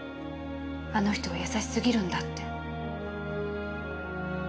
あの人は優しすぎるんだって。